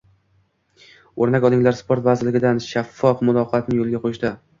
O‘rnak olinglar sport vazirligidan shaffof muloqotni yo‘lga qo‘yishda.